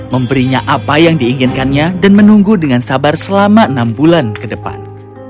memberinya apa yang diinginkannya dan menunggu dengan sabar selama enam bulan ke depan